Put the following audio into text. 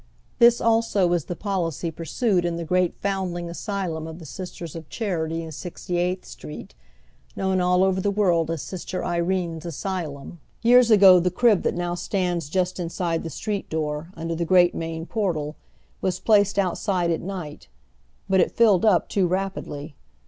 This also is the policy pursued in the great Fomidiing Asylum of the Sisters of Charity in Sixty eighth Street, known all over the world as Sister Irene's Asylum. Years ago the crib that now stands just inside the street door, under the great main portal, was placed outside at night ; but it filled up too rapidly.